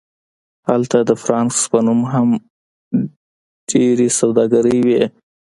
هلته د فرانکس په نوم هم ډیرې سوداګرۍ وې